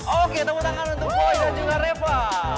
oke tepuk tangan untuk boy dan juga reva